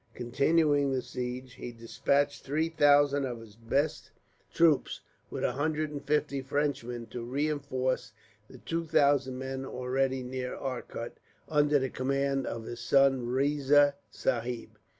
Continuing the siege, he despatched three thousand of his best troops, with a hundred and fifty Frenchmen, to reinforce the two thousand men already near Arcot, under the command of his son Riza Sahib.